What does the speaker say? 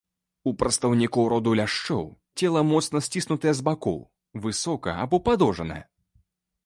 У прадстаўнікоў роду ляшчоў цела моцна сціснутае з бакоў, высокае або падоўжанае.